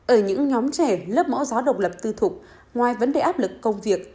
ở những nhóm trẻ lớp mẫu giáo độc lập tư thục ngoài vấn đề áp lực công việc